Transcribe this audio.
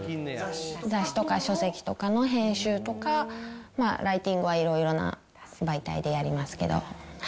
雑誌とか書籍とかの編集とか、ライティングはいろいろな媒体でやりますけど。